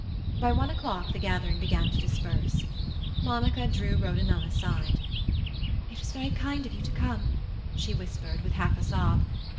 By one o'clock the gathering began to disperse. Monica drew Rhoda Nunn aside. "It was very kind of you to come," she whispered, with half a sob.